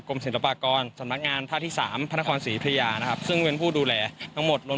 ศิลปากรสำนักงานท่าที่สามพระนครศรีธุยานะครับซึ่งเป็นผู้ดูแลทั้งหมดรวม